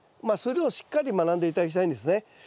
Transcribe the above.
まあそれをしっかり学んで頂きたいんですね。